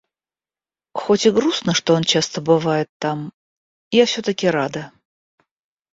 Хоть и грустно, что он часто бывает там, я всё-таки рада.